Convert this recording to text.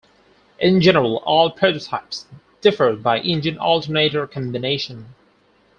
In general, all prototypes differed by engine-alternator combination.